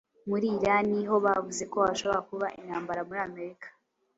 muri Irani ho bavuze ko hashobora kuba "intambara muri Amerika",